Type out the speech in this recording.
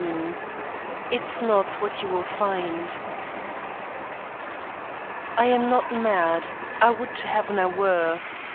XIX "IT'S NOT WHAT YOU WILL FIND" I am not mad; I would to heaven I were!